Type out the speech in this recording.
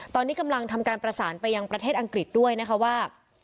ตอนนี้กำลังทำการประสานไปยังประเทศอังกฤษด้วยนะคะว่า